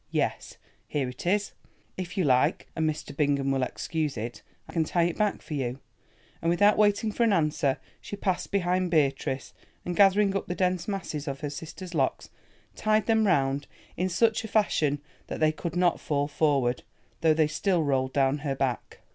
"Yes, here it is. If you like, and Mr. Bingham will excuse it, I can tie it back for you," and without waiting for an answer she passed behind Beatrice, and gathering up the dense masses of her sister's locks, tied them round in such fashion that they could not fall forward, though they still rolled down her back.